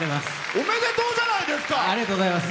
おめでとうじゃないですか！